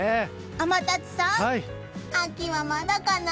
天達さん、秋はまだかな？